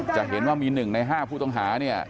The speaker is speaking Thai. จะเห็นว่ามี๑ใน๕ผู้ต้องหาเนี่ย